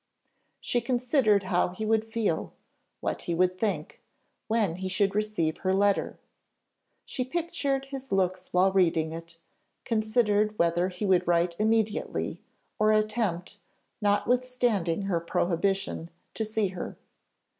She considered how he would feel, what he would think, when he should receive her letter: she pictured his looks while reading it; considered whether he would write immediately, or attempt, notwithstanding her prohibition, to see her.